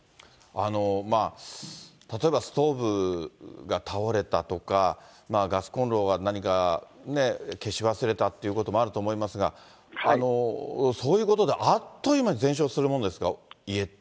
例えばストーブが倒れたとか、ガスコンロは何かね、消し忘れたということもあると思いますが、そういうことで、あっという間に全焼するものですか、家って。